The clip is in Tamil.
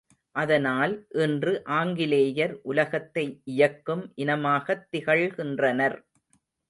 அதனால், இன்று ஆங்கிலேயர் உலகத்தை இயக்கும் இனமாகத் திகழ்கின்றனர்!